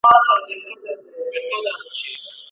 ایا شاګرد باید د ليکني پایله روښانه کړي؟